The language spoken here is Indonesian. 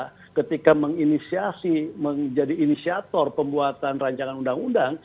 karena ketika menginisiasi menjadi inisiator pembuatan rancangan undang undang